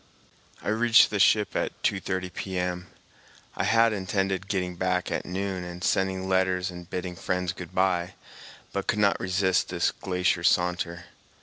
I reached the ship at 2.30 P.M. I had intended getting back at noon and sending letters and bidding friends good bye, but could not resist this glacier saunter.